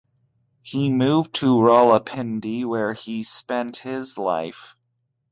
He moved to Rawalpindi where he spent his life.